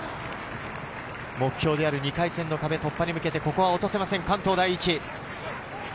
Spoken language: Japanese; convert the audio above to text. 目標である２回戦の壁突破に向けて、ここは落とせません、関東第一。